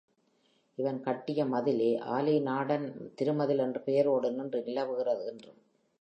இவன் கட்டிய மதிலே ஆலிநாடன் திருமதில் என்ற பெயரோடு நின்று நிலவுகிறது இன்றும்.